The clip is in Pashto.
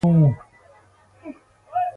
فیمینېستان نابرابري مردسالاري بولي.